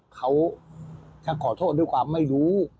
เขาจะเขาขอโทษด้วยกว่าไม่รู้